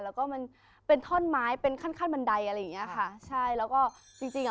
แล้วก็มันเป็นท่อนไม้เป็นขั้นขั้นบันไดอะไรอย่างเงี้ยค่ะใช่แล้วก็จริงจริงอ่ะ